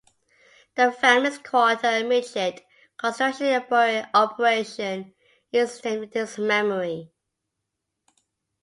The family's quarter midget construction operation is named in his memory.